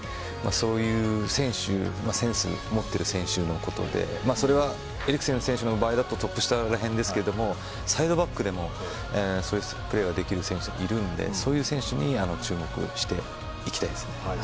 そういうセンスを持っている選手のことでそれはエリクセン選手の場合だとトップ下らへんですがサイドバックでもそういうプレーができる選手がいるのでそういう選手に注目していきたいです。